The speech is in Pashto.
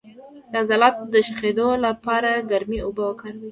د عضلاتو د شخیدو لپاره ګرمې اوبه وکاروئ